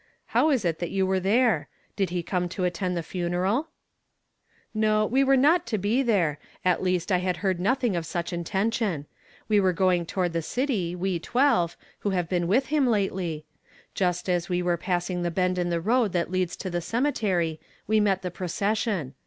" How is it that you were there ? Did he come to at tend the funeral ?" t ^r.^ "HE HATH SENT ME. 163 " No, we were not to be there ; at least I liad heard nothing of such intention. We were going toward the city, we twelve, who have been with him lately. Just as we were passing the bend in the road that leads to the cemetery, we met the procession.